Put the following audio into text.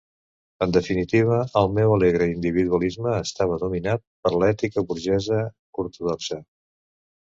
En definitiva, el meu alegre individualisme estava dominat per l'ètica burgesa ortodoxa.